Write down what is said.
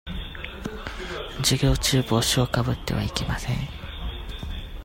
授業中、帽子をかぶってはいけません。